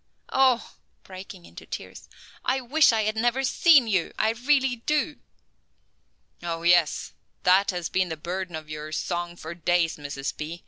Oh," breaking into tears, "I wish I had never seen you, I really do." "Oh, yes, that has been the burden of your song for days, Mrs. B.